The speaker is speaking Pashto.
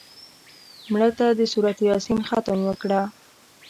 مړه ته د سورت یاسین ختم وکړه